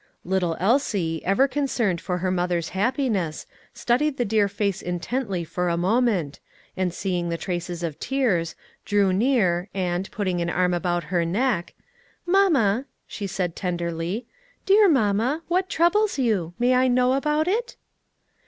Little Elsie, ever concerned for her mother's happiness, studied the dear face intently for a moment, and seeing the traces of tears, drew near and, putting an arm about her neck, "Mamma," she said tenderly, "dear mamma, what troubles you? May I know about it?"